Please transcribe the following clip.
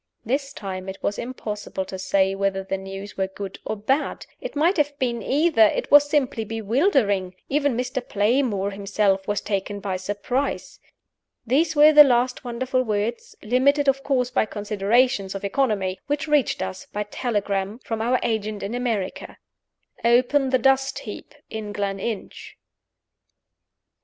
This time it was impossible to say whether the news were good or bad. It might have been either it was simply bewildering. Even Mr. Playmore himself was taken by surprise. These were the last wonderful words limited of course by considerations of economy which reached us (by telegram) from our agent in America: "Open the dust heap at Gleninch."